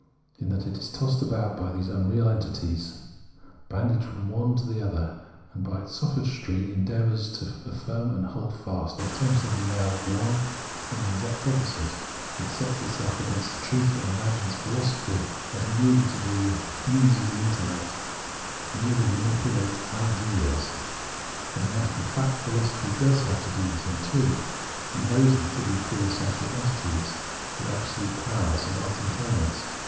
In that it is tossed about by these unreal entities, bandied from one to the other, and by its sophistry endeavours to affirm and hold fast alternately now one, then the exact opposite, it sets itself against the truth, and imagines philosophy has merely to do with " things of the intellect," (GedanJcendinge) merely manipulates " ideas." As a matter of fact, philosophy does have to do with them, too, and knows them to be the pure essential entities, the absolute powers and 122 Phenomenology of Mind ultimate elements.